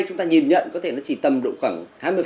chúng ta nhìn nhận có thể nó chỉ tầm độ khoảng hai mươi